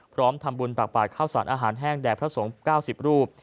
พร้อมทำบุญตักบาทข้าวสารอาหารแห้งแด่พระสงฆ์๙๐รูป